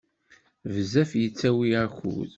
Bezzef yettawi akud.